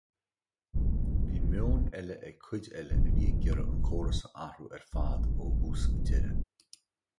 Bhí meoin eile ag cuid eile a bhí ag iarraidh an córas a athrú ar fad, ó thús go deireadh.